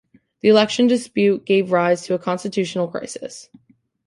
The election dispute gave rise to a constitutional crisis.